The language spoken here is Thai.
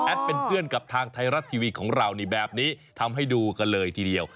เป็นเพื่อนกับทางไทยรัฐทีวีของเรานี่แบบนี้ทำให้ดูกันเลยทีเดียว